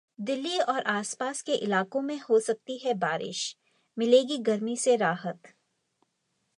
दिल्ली और आसपास के इलाकों में हो सकती है बारिश, मिलेगी गर्मी से राहत